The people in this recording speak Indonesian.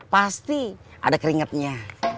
pasti ada keringetnya